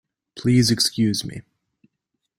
Please excuse me.